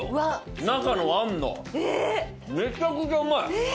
中の餡のめちゃくちゃうまい！